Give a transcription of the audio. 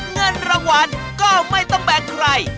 เงินรางวัลก็ไม่ต้องแบ่งใคร